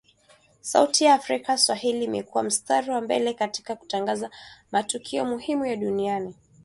Sauti ya Afrika Swahili imekua mstari wa mbele katika kutangaza matukio muhimu ya dunia